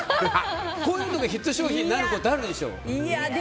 こういうのがヒット商品になることあるでしょ。